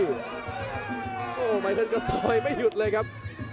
โหไมค์เขาก็ซอยไม่หยุดเลยครับ